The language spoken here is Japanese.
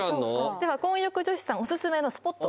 では混浴女子さんオススメのスポット